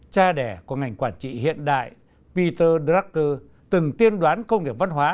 cha đẻ của ngành quản trị hiện đại peter dracr từng tiên đoán công nghiệp văn hóa